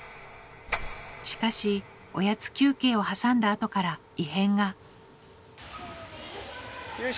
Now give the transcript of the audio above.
しかしおやつ休憩を挟んだあとから異変がせの。